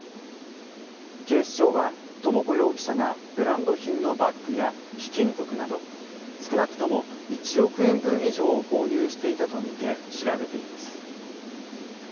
警視庁は智子容疑者がブランド品のバッグや貴金属など少なくとも１億円分以上を購入していたとみて調べています。